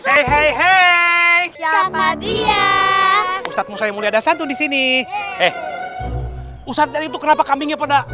hehehe hehehe siapa dia ustadz musayyid mulia dasantun di sini eh ustadz itu kenapa kambingnya pernah